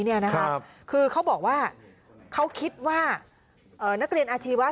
เนี่ยนะครับคือเขาบอกว่าเขาคิดว่าเอ่อนักเรียนอาชีพว่า